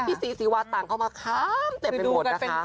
พี่สีสิวาตังเข้ามาคำเต็มไปหมด